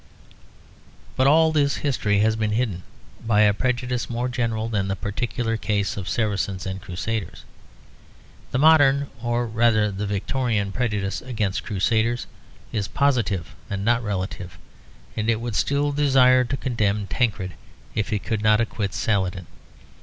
But all this history has been hidden by a prejudice more general than the particular case of Saracens and Crusaders. The modern, or rather the Victorian prejudice against Crusaders is positive and not relative; and it would still desire to condemn Tancred if it could not acquit Saladin.